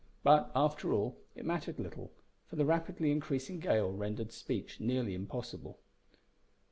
But, after all, it mattered little, for the rapidly increasing gale rendered speech nearly impossible.